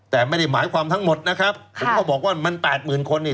แต่ไม่ได้หมายความทั้งหมดนะครับผมก็บอกว่ามันแปดหมื่นคนเนี่ย